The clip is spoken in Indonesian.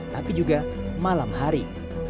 tapi juga malam hari